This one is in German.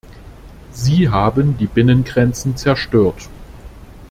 Sie haben die Binnengrenzen zerstört.